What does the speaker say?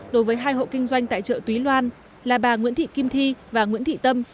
đối với hai hộ kinh doanh tại chợ túy loan là bà nguyễn thị kim thi và nguyễn thị tâm